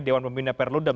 dewan pembina perludem